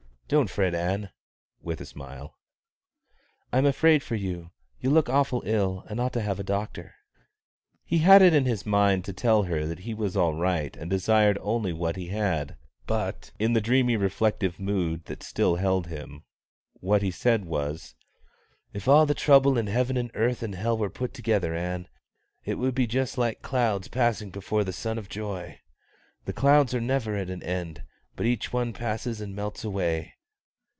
"Don't fret, Ann" (with a smile). "I'm afraid for you; you look awful ill, and ought to have a doctor." He had it in his mind to tell her that he was all right and desired only what he had; but, in the dreamy reflective mood that still held him, what he said was: "If all the trouble in earth and heaven and hell were put together, Ann, it would be just like clouds passing before the sun of joy. The clouds are never at an end, but each one passes and melts away.